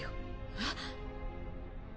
えっ！？